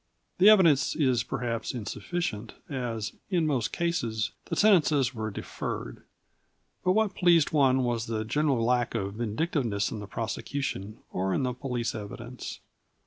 The evidence is, perhaps, insufficient, as, in most cases, the sentences were deferred. But what pleased one was the general lack of vindictiveness in the prosecution or in the police evidence.